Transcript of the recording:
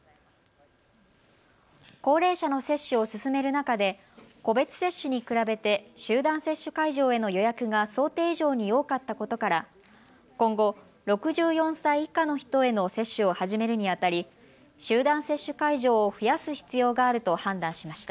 高齢者の接種を進める中で個別接種に比べて集団接種会場への予約が想定以上に多かったことから今後、６４歳以下の人への接種を始めるにあたり集団接種会場を増やす必要があると判断しました。